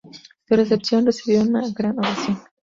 Su recepción recibió una gran ovación.